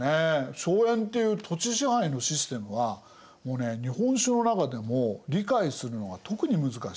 荘園っていう土地支配のシステムはもうね日本史の中でも理解するのが特に難しい。